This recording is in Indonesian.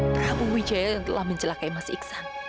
prabu jaya telah mencelakai mas iksa